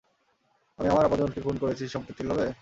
আমি আমার আপনজনকে খুন করেছি সম্পত্তির লোভে?